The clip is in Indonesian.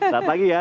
satu lagi ya